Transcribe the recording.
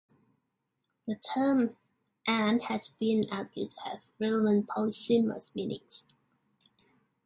The term "and" has even been argued to have relevant polysemous meanings.